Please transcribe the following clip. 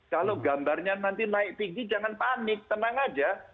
kalau gambarnya nanti naik tinggi jangan panik tenang saja